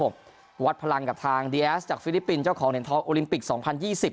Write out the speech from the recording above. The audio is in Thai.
วัดพลังกับทางดีเอสจากฟิลิปปินส์เจ้าของเหรียญทองโอลิมปิกสองพันยี่สิบ